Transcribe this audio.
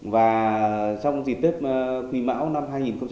và trong dịp tết quỳ mão năm hai nghìn hai mươi ba